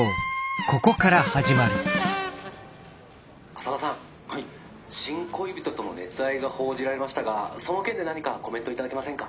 「浅田さん新恋人との熱愛が報じられましたがその件で何かコメントを頂けませんか？」。